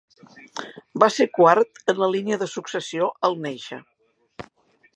Va ser quart en la línia de successió al néixer.